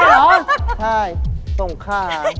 ใช่ส่งค่า